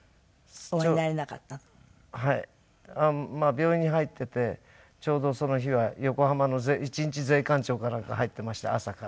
病院に入っててちょうどその日は横浜の一日税関長かなんか入ってました朝から。